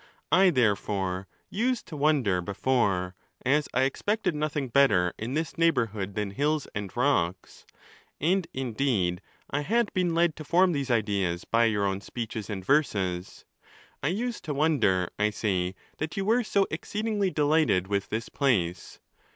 I therefore used to wonder before, as I expected nothing better in this neigh bourhood than hills and rocks (and, indeed, I had been led to form these ideas by your own speeches and verses)—I used to wonder, I say, that you were so exceedingly delighted with this place.